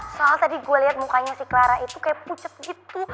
soal tadi gue liat mukanya si clara itu kayak pucet gitu